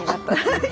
はい。